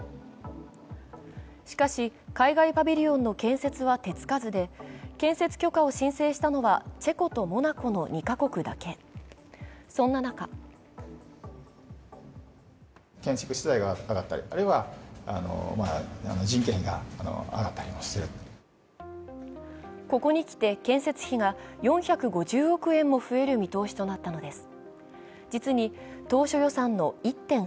しかし、海外パビリオンの建設は手付かずで建設許可を申請したのは、チェコとモナコの２か国だけ、そんな中ここにきて建設費が４５０億円も増える見通しとなったのです。